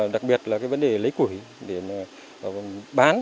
đặc biệt là vấn đề lấy củi để bán